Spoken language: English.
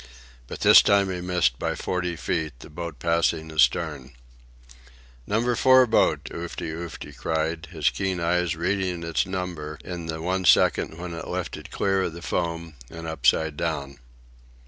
But this time he missed by forty feet, the boat passing astern. "Number four boat!" Oofty Oofty cried, his keen eyes reading its number in the one second when it lifted clear of the foam, and upside down.